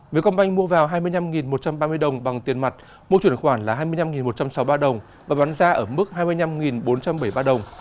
viếng công banh mua vào hai mươi năm một trăm ba mươi đồng bằng tiền mặt mua chuyển khoản là hai mươi năm một trăm sáu mươi ba đồng và bán ra ở mức hai mươi năm bốn trăm bảy mươi ba đồng